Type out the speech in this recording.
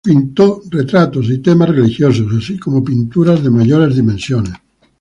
Pintó retratos y temas religiosos, así como pinturas de mayores dimensiones.